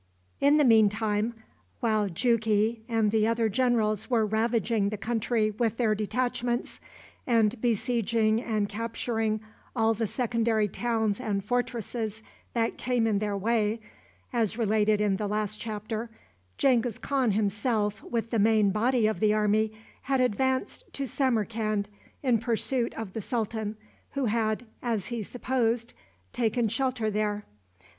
In the mean time, while Jughi and the other generals were ravaging the country with their detachments, and besieging and capturing all the secondary towns and fortresses that came in their way, as related in the last chapter, Genghis Khan himself, with the main body of the army, had advanced to Samarcand in pursuit of the sultan, who had, as he supposed, taken shelter there.